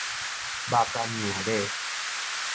肉感娘嬭